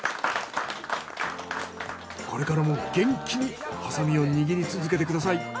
これからも元気にハサミを握り続けてください。